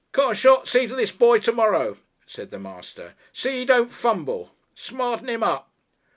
"Carshot, see to this boy to morrow," said the master. "See he don't fumble. Smart'n 'im up."